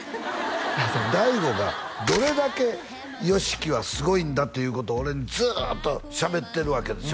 ＤＡＩＧＯがどれだけＹＯＳＨＩＫＩはすごいんだということを俺にずっとしゃべってるわけですよ